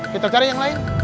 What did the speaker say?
kita cari yang lain